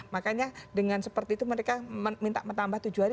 makanya dengan seperti itu mereka minta menambah tujuh hari